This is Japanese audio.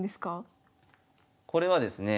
これはですねえ